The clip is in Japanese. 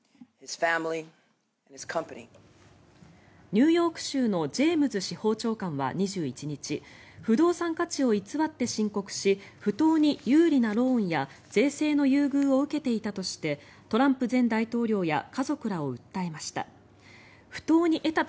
ニューヨーク州のジェームズ司法長官は２１日不動産価値を偽って申告し不当に有利なローンや税制の優遇を受けていたとしてトランプ前大統領や家族らを訴えました。